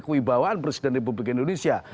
kewibawaan presiden republik indonesia